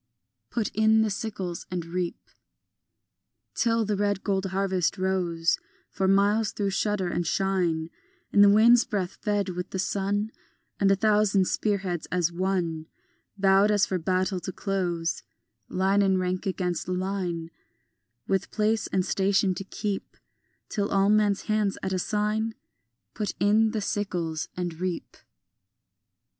Put in the sickles and reap. Till the red gold harvest rows For miles through shudder and shine In the wind's breath, fed with the sun, A thousand spear heads as one Bowed as for battle to close Line in rank against line With place and station to keep Till all men's hands at a sign Put in the sickles and reap.